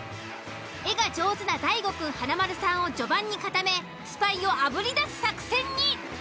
絵が上手な大悟くん華丸さんを序盤に固めスパイをあぶり出す作戦に。